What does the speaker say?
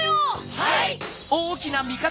はい！